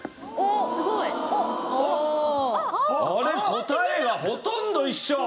答えがほとんど一緒！